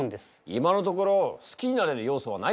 今のところ好きになれる要素はないぞ。